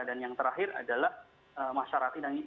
dan yang terakhir adalah masyarakat